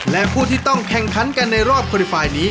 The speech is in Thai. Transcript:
และผู้ที่ต้องแข่งขันกันในรอบคอรีไฟล์นี้